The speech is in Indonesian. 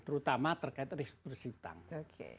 terutama terkait restriksi bank